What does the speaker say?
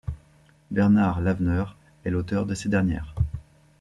Bernard Leveneur est l’auteur de ces dernières.